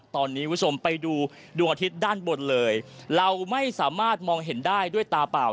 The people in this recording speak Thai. ตอนนี้คุณผู้ชมไปดูดวงอาทิตย์ด้านบนเลยเราไม่สามารถมองเห็นได้ด้วยตาเปล่า